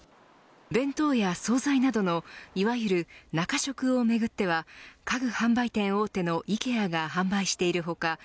弁当や総菜などのいわゆる中食をめぐっては家具販売店大手のＩＫＥＡが販売している他